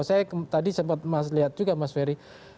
saya tadi sempat lihat juga mas ferry